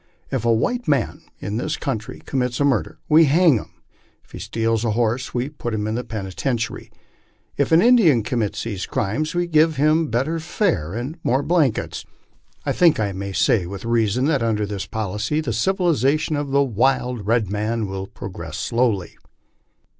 If a white man in this country commits a murder, we hang him ; if he steals a horse, we put him in the peni tentiary. If an Indian commits these crimes, we give him better fare and more blankets. I think I may say with reason, that under this policy tbo civilization of the wild red man will progress slowly."